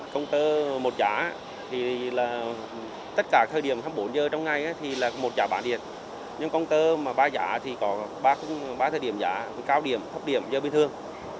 công cơ một giả thì tất cả thời điểm hai mươi bốn h trong ngày thì là một giả bản điện nhưng công cơ ba giả thì có ba thời điểm giả cao điểm thấp điểm giờ bình thường